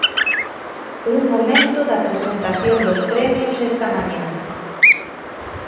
Un momento da presentación dos Premios esta mañá.